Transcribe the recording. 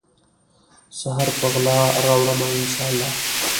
سحر په غلا راوړمه ، ان شا الله